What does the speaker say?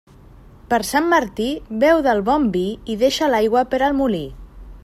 Per Sant Martí beu del bon vi i deixa l'aigua per al molí.